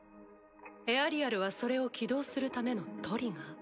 エアリアルはそれを起動するためのトリガー。